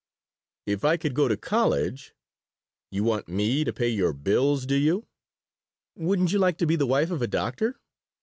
"If I could go to college " "You want me to pay your bills, do you?" "Wouldn't you like to be the wife of a doctor?